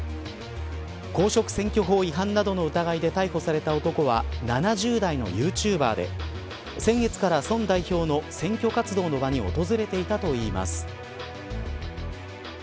公職選挙法違反などの疑いで逮捕された男は７０代のユーチューバーで先月から宋代表の選挙活動の場に訪れていたといいます。